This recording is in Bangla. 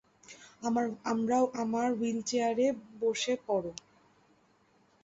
আমার হুইলচেয়ারে বসে পড়।